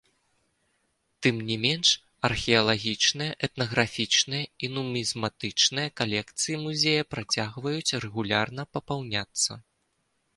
Тым не менш, археалагічная, этнаграфічная і нумізматычная калекцыі музея працягваюць рэгулярна папаўняцца.